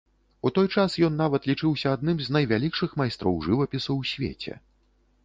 У той час ён нават лічыўся адным з найвялікшых майстроў жывапісу ў свеце.